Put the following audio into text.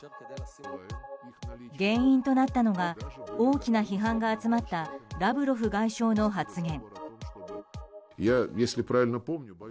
原因となったのが大きな批判が集まったラブロフ外相の発言。